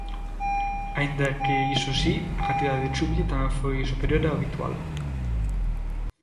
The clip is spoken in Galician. Aínda que iso si, a cantidade de chuvia tamén foi superior á habitual.